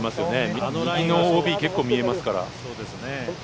右のＯＢ結構見えますから。